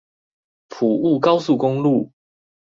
埔霧高速公路